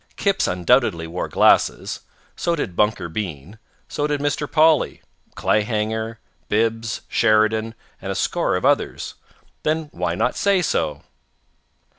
Kipps undoubtedly wore glasses; so did Bunker Bean; so did Mr. Polly, Clayhanger, Bibbs, Sheridan, and a score of others. Then why not say so?